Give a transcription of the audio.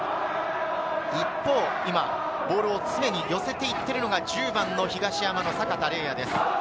一方、ボールを常に寄せて行っているのが１０番の東山の阪田澪哉です。